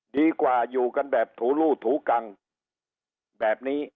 ดีกว่าอยู่กันแบบถูรูดถูกังแบบนี้